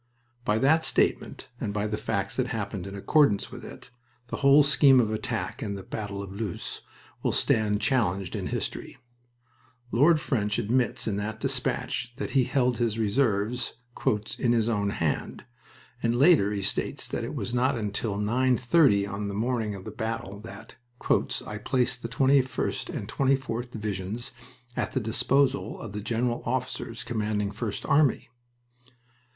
By that statement, and by the facts that happened in accordance with it, the whole scheme of attack in the battle of Loos will stand challenged in history. Lord French admits in that despatch that he held his reserves "in his own hand," and later he states that it was not until nine thirty on the morning of battle that "I placed the 21st and 24th Divisions at the disposal of the General Officer commanding First Army."